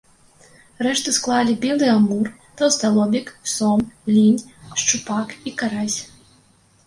Рэшту склалі белы амур, таўсталобік, сом, лінь, шчупак і карась.